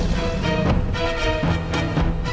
selalu selalu kek